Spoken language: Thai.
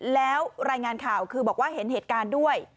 แล้วรายงานข่าวคือบอกว่าเห็นเหตุการณ์ด้วย